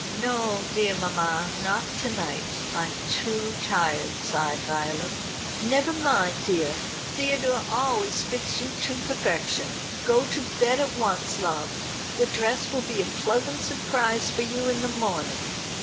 "No, dear mamma; not to night, I'm too tired," sighed Violet. "Never mind, dear. Theodore always fits you to perfection. Go to bed at once, love. The dress will be a pleasant surprise for you in the morning.